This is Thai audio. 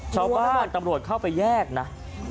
ชาวบ้านตำรวจเข้าไปแยกนะ